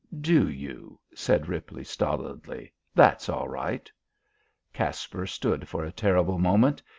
"Do you?" said Ripley stolidly. "That's all right." Caspar stood for a terrible moment.